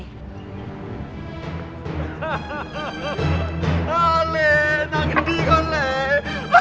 halil nangis juga lari